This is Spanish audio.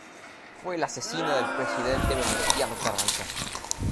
Fue el asesino del Presidente Venustiano Carranza.